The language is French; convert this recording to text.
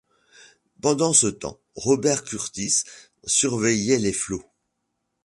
Pendant ce temps, Robert Kurtis surveillait les flots.